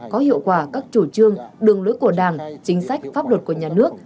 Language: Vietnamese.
có hiệu quả các chủ trương đường lối của đảng chính sách pháp luật của nhà nước